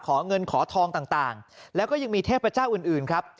ขอเงินขอทองต่างแล้วก็ยังมีเทพเจ้าอื่นครับ